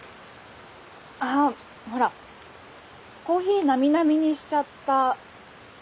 あほらコーヒーなみなみにしちゃった。